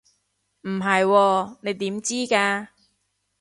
唔係喎，你點知㗎？